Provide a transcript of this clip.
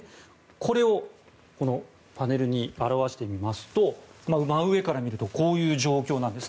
これをこのパネルに表してみますと真上から見るとこういう状況なんです。